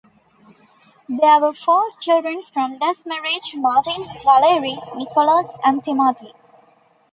There were four children from this marriage, Martin, Valerie, Nicholas and Timothy.